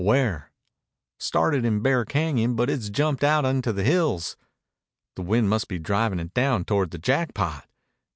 "Where?" "Started in Bear Cañon, but it's jumped out into the hills." "The wind must be driving it down toward the Jackpot!"